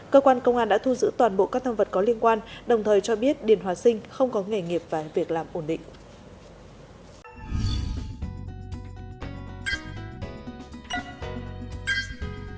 cơ quan công an đã thu giữ toàn bộ các thông vật có liên quan đồng thời cho biết điền hòa sinh không có nghề nghiệp và việc làm ổn định